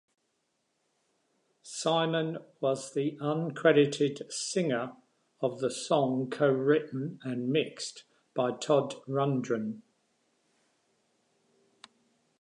Simon was the uncredited singer of the song co-written and mixed by Todd Rundgren.